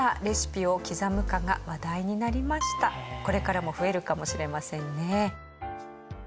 これからも増えるかもしれませんね。